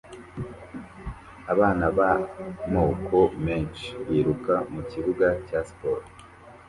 Abana b'amoko menshi biruka mukibuga cya siporo